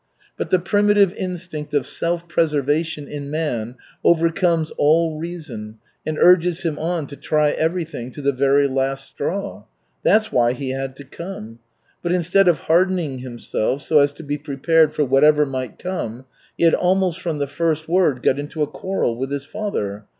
But the primitive instinct of self preservation in man overcomes all reason and urges him on to try everything to the very last straw. That's why he had come. But instead of hardening himself so as to be prepared for whatever might come, he had almost from the first word got into a quarrel with his father.